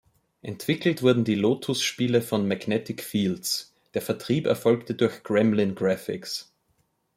Entwickelt wurden die "Lotus"-Spiele von "Magnetic Fields", der Vertrieb erfolgte durch "Gremlin Graphics".